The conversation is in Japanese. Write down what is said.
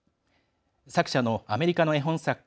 作者のアメリカの絵本作家